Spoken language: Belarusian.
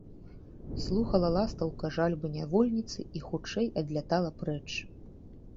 Слухала ластаўка жальбы нявольніцы і хутчэй адлятала прэч.